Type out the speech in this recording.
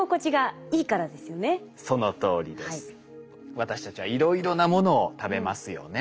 私たちはいろいろなものを食べますよね。